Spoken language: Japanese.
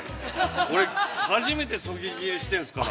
俺、初めてそぎ切りしてんすから。